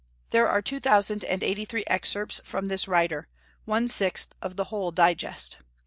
There are two thousand and eighty three excerpts from this writer, one sixth of the whole Digest.